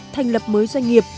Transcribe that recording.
thành lập mới doanh nghiệp